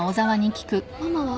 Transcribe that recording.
ママは？